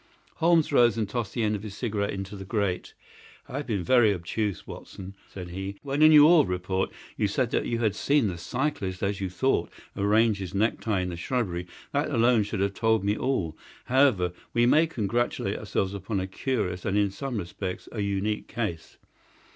Holmes rose and tossed the end of his cigarette into the grate. "I have been very obtuse, Watson," said he. "When in your report you said that you had seen the cyclist as you thought arrange his necktie in the shrubbery, that alone should have told me all. However, we may congratulate ourselves upon a curious and in some respects a unique case.